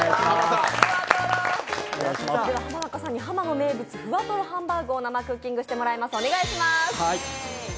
濱中さんにｈａｍａのふわとろハンバーグを生クッキングしていただきます。